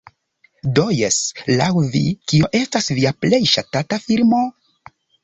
Do jes, laŭ vi, kio estas via plej ŝatata filmo?